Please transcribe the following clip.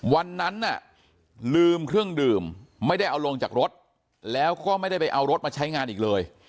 วันนั้นน่ะลืมเครื่องดื่มไม่ได้เอาลงจากรถแล้วก็ไม่ได้ไปเอารถมาใช้งานอีกเลย